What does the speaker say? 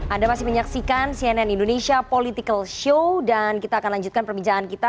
anda masih menyaksikan cnn indonesia political show dan kita akan lanjutkan perbincangan kita